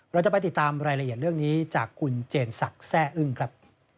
เราจะไปติดตามรายละเอียดเรื่องนี้จากคุณเจนศักดิ์แซ่อึ้งครับ